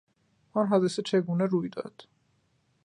آن حادثه چگونه روی داد؟